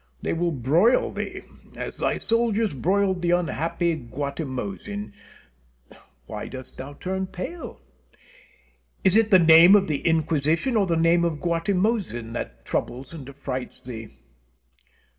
They will broil thee, as thy soldiers broiled the unhappy Guatimozin. Why dost thou turn pale? Is it the name of the Inquisition, or the name of Guatimozin, that troubles and affrights thee?